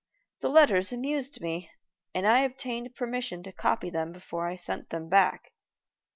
The letters amused me, and I obtained permission to copy them before I sent them back.